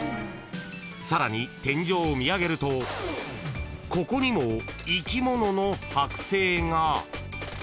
［さらに天井を見上げるとここにも生き物の剥製が］